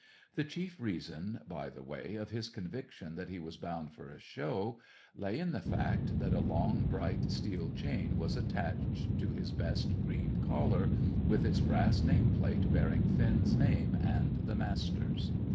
The chief reason, by the way, of his conviction that he was bound for a show, lay in the fact that a long, bright steel chain was attached to his best green collar, with its brass name plate bearing Finn's name and the Master's.